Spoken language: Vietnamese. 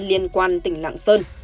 liên quan tỉnh lạng sơn